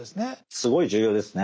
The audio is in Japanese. すごい重要ですね。